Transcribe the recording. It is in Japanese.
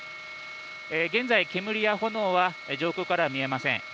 現在、煙や炎は上空から見えません。